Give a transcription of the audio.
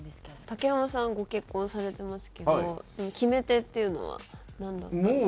竹山さんご結婚されてますけどその決め手っていうのはなんだったんですか？